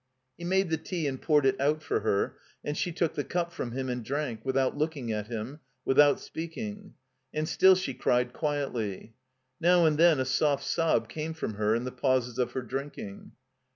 He made the tea and poured it out for her, and she took the cup from him and drank, without look ing at him, without speaking. And still she cried quietly. Now and then a soft sob came from her in the pauses of her drinking.